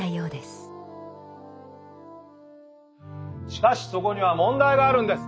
しかしそこには問題があるんです。